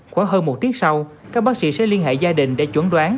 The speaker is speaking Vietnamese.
khoảng hơn một tiếng sau các bác sĩ sẽ liên hệ gia đình để chuẩn đoán